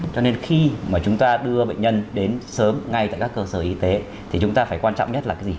cho nên khi mà chúng ta đưa bệnh nhân đến sớm ngay tại các cơ sở y tế thì chúng ta phải quan trọng nhất là cái gì